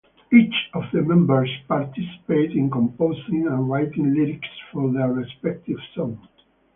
Each of the members participated in composing and writing lyrics for their respective song.